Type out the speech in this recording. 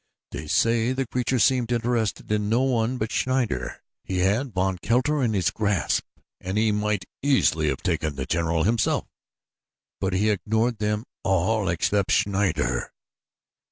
They say the creature seemed interested in no one but Schneider. He had von Kelter in his grasp, and he might easily have taken the general himself; but he ignored them all except Schneider.